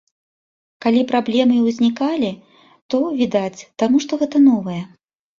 Калі праблемы і ўзнікалі, то, відаць, таму што гэта новае.